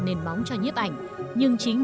nền bóng cho nhếp ảnh nhưng chính